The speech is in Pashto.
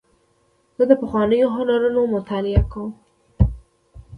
زه د پخوانیو هنرونو مطالعه کوم.